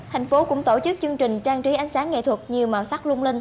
thành phố cũng tổ chức chương trình trang trí ánh sáng nghệ thuật nhiều màu sắc lung linh